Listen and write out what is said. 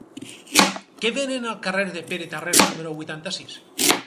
Què venen al carrer de Pere Tarrés número vuitanta-sis?